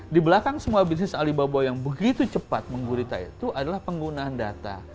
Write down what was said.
di belakang semua bisnis alibaba yang begitu cepat menggulita itu adalah penggunaan data